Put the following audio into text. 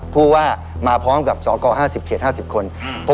พูดว่ามาพร้อมกับสอกออห้าสิบเกลียดห้าสิบคนอืม